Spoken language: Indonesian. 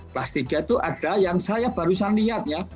kelas tiga itu ada yang saya barusan lihat ya